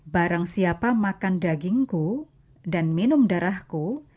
barang siapa makan dagingku dan minum darahku